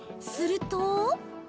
すると。